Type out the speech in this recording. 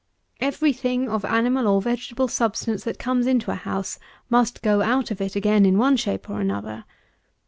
Every thing of animal or vegetable substance that comes into a house, must go out of it again, in one shape or another.